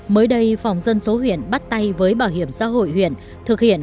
mới đây phòng dân số huyện bắt tay với bảo hiểm xã hội huyện